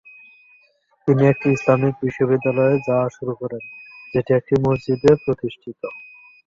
তিনি একটি ইসলামিক বিদ্যালয়ে যাওয়া শুরু করেন, যেটি একটি মসজিদে প্রতিষ্ঠিত।